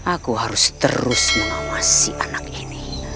aku harus terus mengawasi anak ini